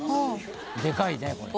でかいねこれ。